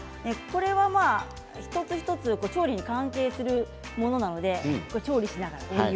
一つ一つ調理に関係するものなので調理しながら。